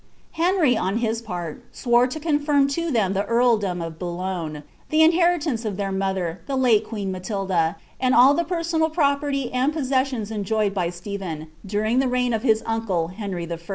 Henry, on his part, swore to confirm to them the earldom of Boulogne, the inheritance of their mother, the late queen Matilda, and all the personal property and possessions enjoyed by Stephen, during the rrign of his uncle, Henry I.